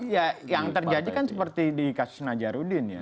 ya yang terjadi kan seperti di kasus najarudin ya